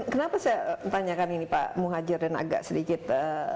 kenapa saya tanyakan ini pak muhajir dan agak sedikit